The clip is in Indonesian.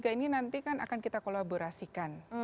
satu dua tiga ini nanti kan akan kita kolaborasikan